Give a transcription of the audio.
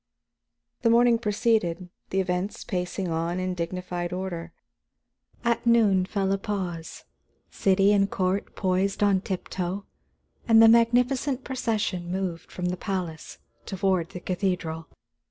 The morning proceeded, the events pacing on in dignified order. At noon fell a pause, city and court poised on tiptoe, and the magnificent procession moved from the palace toward the cathedral.